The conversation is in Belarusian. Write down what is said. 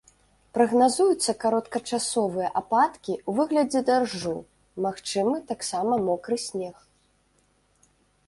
Прагназуюцца кароткачасовыя ападкі ў выглядзе дажджу, магчымы таксама мокры снег.